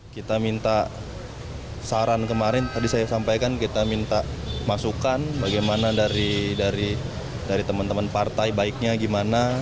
kita minta saran kemarin tadi saya sampaikan kita minta masukan bagaimana dari teman teman partai baiknya gimana